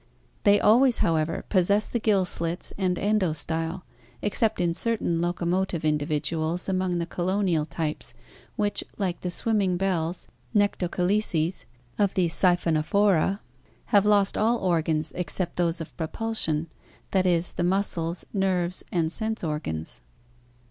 They always, however, possess the gill slits and endostyle, except in certain locomotive individuals among the colonial types, which, like the swimming bells (nectocalices) of the Siphonophora (see page 45), have lost all organs except those of propulsion, that is, the muscles, nerves, and sense organs.